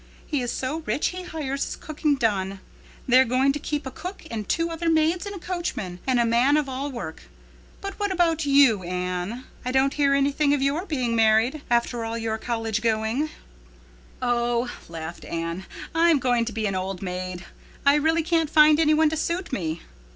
He is so rich he hires his cooking done. They're going to keep a cook and two other maids and a coachman and a man of all work. But what about you, Anne? I don't hear anything of your being married, after all your college going." "Oh," laughed Anne, "I am going to be an old maid. I really can't find any one to suit me."